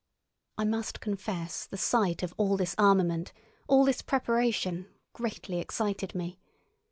I must confess the sight of all this armament, all this preparation, greatly excited me.